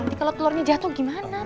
nanti kalau telurnya jatuh gimana pak